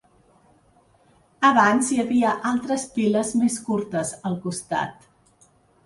Abans hi havia altres piles més curtes al costat.